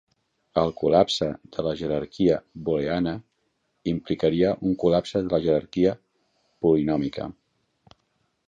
El col·lapse de la jerarquia booleana implicaria un col·lapse de la jerarquia polinòmica.